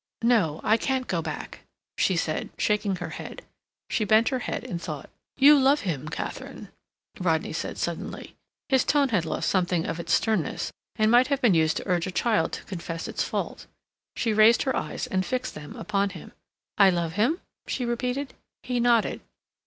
"No. I can't go back," she said, shaking her head. She bent her head in thought. "You love him, Katharine," Rodney said suddenly. His tone had lost something of its sternness, and might have been used to urge a child to confess its fault. She raised her eyes and fixed them upon him. "I love him?" she repeated. He nodded.